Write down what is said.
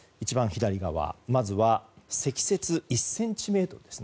まずは積雪１ｃｍです。